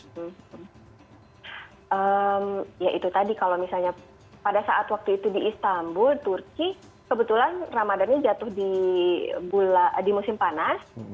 hmm ya itu tadi kalau misalnya pada saat waktu itu di istanbul turki kebetulan ramadhannya jatuh di musim panas